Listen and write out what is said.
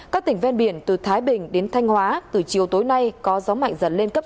các tỉnh ven biển từ thái bình đến thanh hóa từ chiều tối nay có gió mạnh dần lên cấp sáu